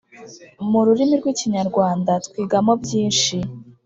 mu rurimi rw ‘ikinyarwanda twigamo byishi.